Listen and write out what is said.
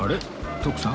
徳さん。